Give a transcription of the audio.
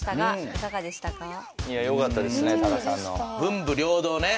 いやよかったですね